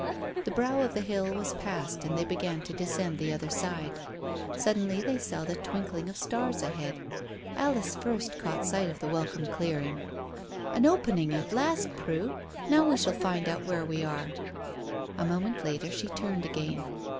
The brow of the hill was passed and they began to descend the other side. Suddenly they saw the twinkling of stars ahead. Alice first caught sight of the welcome clearing. "An opening at last, Prue; now we shall find out where we are." A moment later she turned again.